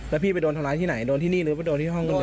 แล้วพี่ไปโดนทะเลาะที่ไหนโดนที่นี่หรือโดนที่ห้องกันเลย